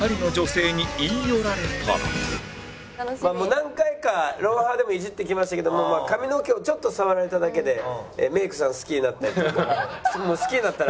何回か『ロンハー』でもイジってきましたけども髪の毛をちょっと触られただけでメイクさん好きになったりとか。